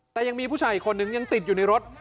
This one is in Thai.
แต่ยังมีผู้ชายอีกคนนึงยังติดอยู่ในรถ